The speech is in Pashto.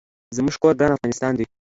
زمونږ کور ګران افغانستان دي